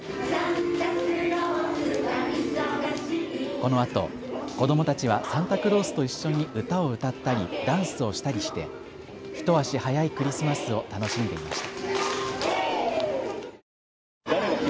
このあと、子どもたちはサンタクロースと一緒に歌を歌ったりダンスをしたりして一足早いクリスマスを楽しんでいました。